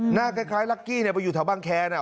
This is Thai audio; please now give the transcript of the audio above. หน้าคล้ายลักกี้ไปอยู่แถวบางแคนะ